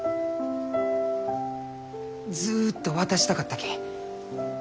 ずっと渡したかったき。